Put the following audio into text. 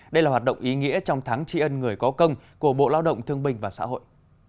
đây là hoạt động ý nghĩa trong tháng tri ân người có công của bộ lao động thương binh và xã hội